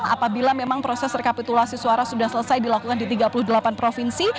apabila memang proses rekapitulasi suara sudah selesai dilakukan di tiga puluh delapan provinsi